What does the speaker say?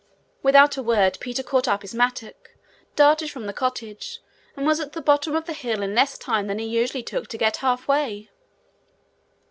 Without a word Peter caught up his mattock, darted from the cottage, and was at the bottom of the hill in less time than he usually took to get halfway.